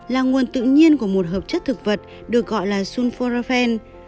là nguồn tự nhiên của một hợp chất thực vật được gọi là sulfornofen